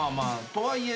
とはいえ。